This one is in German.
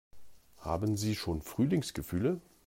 Haben Sie schon Frühlingsgefühle?